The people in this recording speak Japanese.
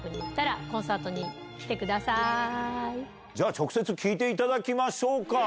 直接聞いていただきましょうか！